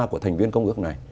của thành viên công ước này